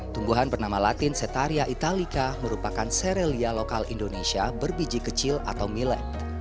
tungguhan bernama latin setaria italica merupakan serelia lokal indonesia berbiji kecil atau millet